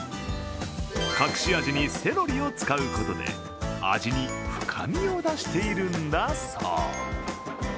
隠し味にセロリを使うことで、味に深みを出しているんだそう。